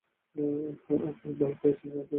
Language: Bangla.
আপনি ভয় পেয়েছেন এতে কোন সন্দেহ নেই!